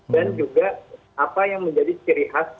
dan juga apa yang menjadi ciri khas